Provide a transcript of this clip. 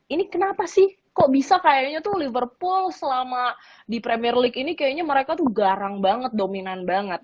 ini kenapa sih kok bisa kayaknya tuh liverpool selama di premier league ini kayaknya mereka tuh garang banget dominan banget